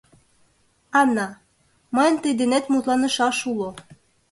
Ана, мыйын тый денет мутланышаш уло...